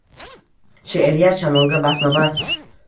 She’riyat – shamolga basma–bas